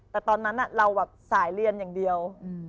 แต่ตอนนั้นเราแบบสายเรียนอย่างเดียว